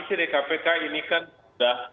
sih dari kpk ini kan sudah